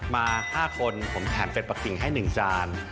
มา๕คนผมแถมเป็ดปะกิ่งให้๑จาน